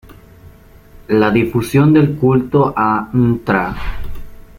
La difusión del culto a Ntra.